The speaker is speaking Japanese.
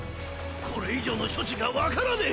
これ以上の処置が分からねえ！